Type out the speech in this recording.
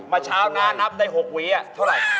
มาเช้าน้านับได้๖หวีอะเท่าไหร่